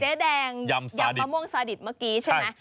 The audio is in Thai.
แดงยำมะม่วงซาดิตเมื่อกี้ใช่ไหม